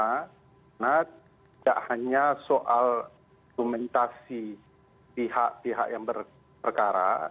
karena tidak hanya soal komitasi pihak pihak yang berkara